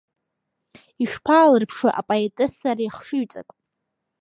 Ишԥаалырԥшуеи апоетесса ари ахшыҩҵак?